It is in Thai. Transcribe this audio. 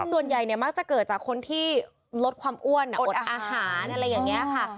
ส่วนใหญ่เนี่ยมักจะเกิดจากคนที่ลดความอ้วนอดอาหารอะไรอย่างนี้ค่ะ